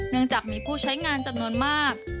เนื่องจากมีผู้ใช้งานจำนวนมาก